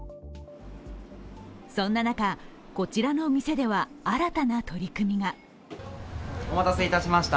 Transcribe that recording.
そんな中、こちらの店では新たな取り組みが。